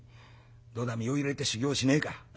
『どうだ身を入れて修業しねえか。